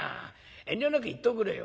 遠慮なく言っておくれよ。